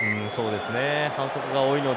反則が多いので。